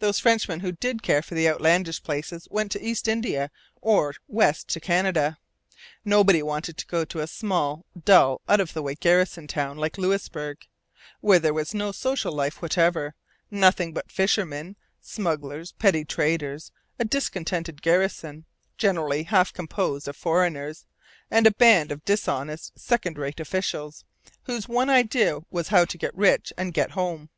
Those Frenchmen who did care for outlandish places went east to India or west to Canada. Nobody wanted to go to a small, dull, out of the way garrison town like Louisbourg, where there was no social life whatever nothing but fishermen, smugglers, petty traders, a discontented garrison, generally half composed of foreigners, and a band of dishonest, second rate officials, whose one idea was how to get rich and get home.